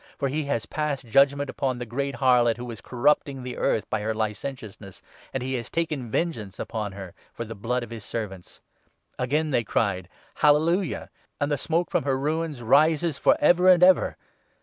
For he has passed judgement upon the Great Harlot who was corrupting the earth by her licentiousness, and he has taken vengeance upon her for the blood of his servants.' Again they cried —' Hallelujah !' And the smoke from her 3 ruins rises for ever and ever.